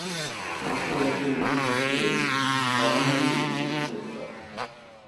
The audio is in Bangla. কোষ্ঠবদ্ধ ব্যক্তির পক্ষে ফলাহারই উপযুক্ত হইতে পারে।